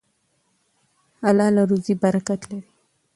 حلاله روزي برکت لري.